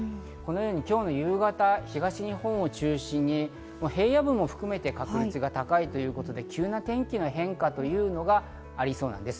今日夕方、東日本を中心に平野部も含めて確率が高いということで急な天気の変化がありそうです。